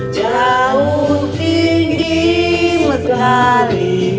jauh tinggi menari